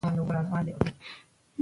نسج لا هم سالم دی.